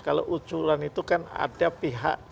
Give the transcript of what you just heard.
kalau usulan itu kan ada pihak yang mengusulkan